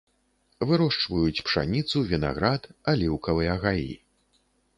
Вырошчваюць пшаніцу, вінаград, аліўкавыя гаі.